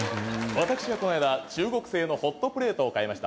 私はこの間中国製のホットプレートを買いました。